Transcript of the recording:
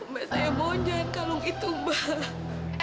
mbak saya bojan kalung itu mbak